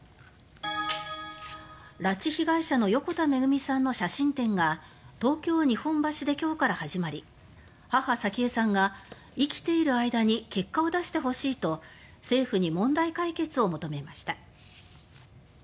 拉致被害者の横田めぐみさんの写真展が東京・日本橋で今日から始まり母・早紀江さんが「生きている間に結果を出してほしい」と政府に問題解決を求めました。